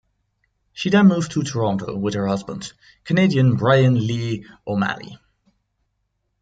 She then moved to Toronto with her husband, Canadian Bryan Lee O'Malley.